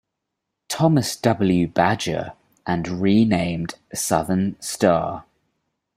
Thomas W. Badger and renamed "Southern Star".